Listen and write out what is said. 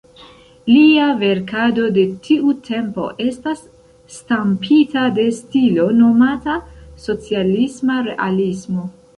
Lia verkado de tiu tempo estas stampita de stilo nomata socialisma realismo.